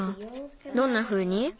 どんなふうに？